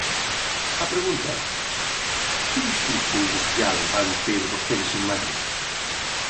A pregunta é: ¿que discurso industrial van ter vostedes en Madrid?